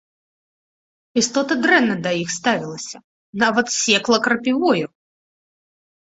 Істота дрэнна да іх ставілася, нават секла крапівою.